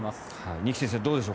二木先生どうでしょう。